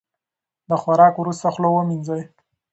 د خوراک وروسته خوله ومینځئ.